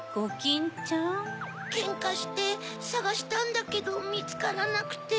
ケンカしてさがしたんだけどみつからなくて。